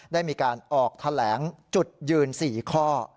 ได้มีการออกแถลงจุดยืน๔ข้อ